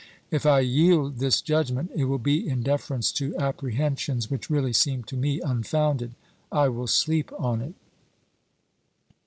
If I yield this judgment, it will be in deference to apprehensions which really seem to me unfounded. I will sleep on it.